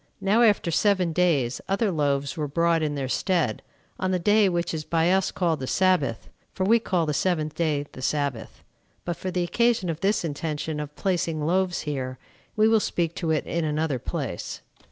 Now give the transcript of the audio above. Now after seven days other loaves were brought in their stead, on the day which is by us called the Sabbath; for we call the seventh day the Sabbath. But for the occasion of this intention of placing loaves here, we will speak to it in another place.